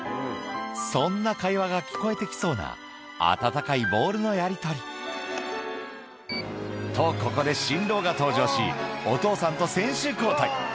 そんな会話が聞こえてきそうな温かいボールのやりとりとここで新郎が登場しお父さんと選手交代